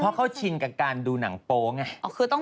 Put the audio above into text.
เพราะเขาชินกับการดูหนังโป๊ไง